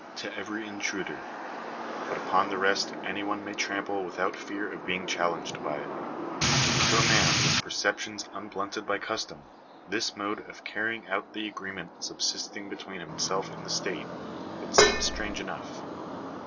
to every intruder ; but upon the rest any one may trample without fear of being challenged by it To a man with perceptions unblunted by custom, this mode of carrying out the agreement subsisting between himself and the state, would seem strange enough.